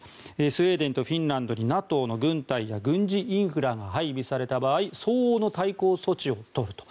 スウェーデンとフィンランドにＮＡＴＯの軍隊や軍事インフラが配備された場合相応の対抗措置を取ると。